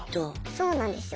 そうなんですよ。